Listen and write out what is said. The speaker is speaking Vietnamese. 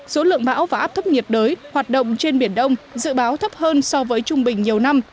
số lượng bão và áp thấp nhiệt đới hoạt động trên biển đông dự báo thấp hơn so với trung bình nhiều năm